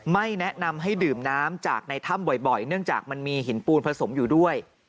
ไม่แนะนำให้ดื่มน้ำจากในถ้ำบ่อยเนื่องจากมันมีหินปูนผสมอยู่ด้วย